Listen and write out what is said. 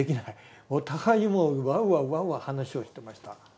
お互いにもうわんわわんわ話をしてました。